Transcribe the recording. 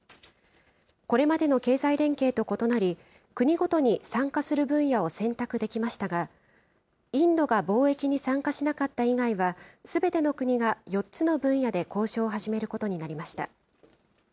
これまでの経済連携と異なり、国ごとに参加する分野を選択できましたが、インドが貿易に参加しなかった以外は、すべての国が４つの分野で交渉を始めることになりました。